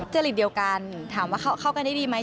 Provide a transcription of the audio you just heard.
จริตเดียวกันถามว่าเข้ากันได้ดีไหม